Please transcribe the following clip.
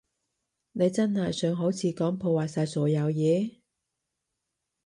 你真係想好似噉破壞晒所有嘢？